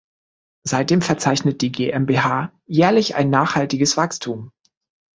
Seitdem verzeichnet die GmbH jährlich ein nachhaltiges Wachstum.